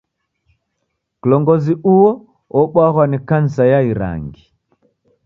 Kilongozi uo obwaghwa ni kansa ya irangi.